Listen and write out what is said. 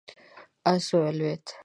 آس ولوېد.